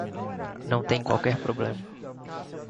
Não tem qualquer problema.